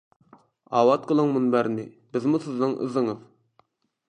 ئاۋات قىلىڭ مۇنبەرنى، بىزمۇ سىزنىڭ ئىزىڭىز.